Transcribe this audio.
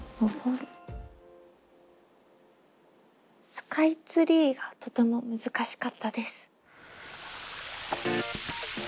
「スカイツリー」がとても難しかったです。